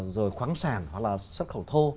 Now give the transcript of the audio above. rồi khoáng sản hoặc là xuất khẩu thô